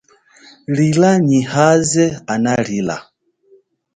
Lila nyi waze ana lila.